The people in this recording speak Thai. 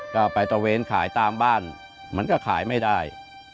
ก็ไปตระเวนขายตามบ้านมันก็ขายไม่ได้